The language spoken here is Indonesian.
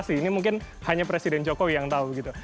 ini mungkin hanya presiden jokowi yang tahu begitu